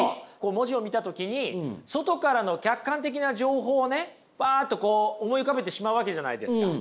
文字を見た時に外からの客観的な情報をねばっと思い浮かべてしまうわけじゃないですか。